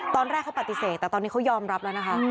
ตอนแรกเขาปฏิเสธแต่ตอนนี้เขายอมรับแล้วนะคะ